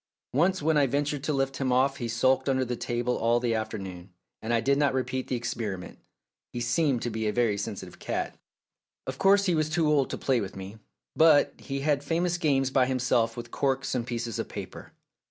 Once when I ventured to lift him off he sulked under the table all the afternoon, and I did not repeat the experiment. He seemed to be a very sensi tive cat. Of course he was too old to play with me, but he had famous games by himself with corks and pieces of paper.